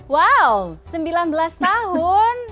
wow sembilan belas tahun